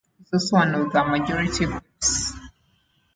He is also one of the Majority Whips.